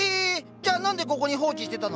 じゃ何でここに放置してたの？